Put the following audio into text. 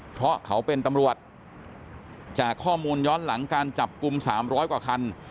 เพราะเขาเป็นตำรวจจากข้อมูลย้อนหลังการจับกลุ่ม๓๐๐กว่าคัน